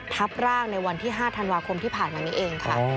ทับร่างในวันที่๕ธันวาคมที่ผ่านมานี้เองค่ะ